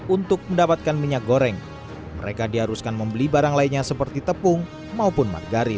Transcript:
untuk mendapatkan minyak goreng mereka diharuskan membeli barang lainnya seperti tepung maupun margarin